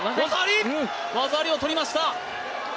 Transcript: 技ありをとりました！